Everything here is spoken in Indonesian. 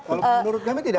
menurut kami tidak kompleks